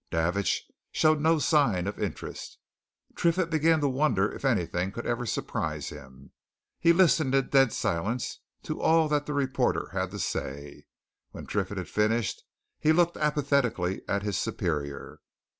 Davidge showed no sign of interest; Triffitt began to wonder if anything could ever surprise him. He listened in dead silence to all that the reporter had to say; when Triffitt had finished he looked apathetically at his superior.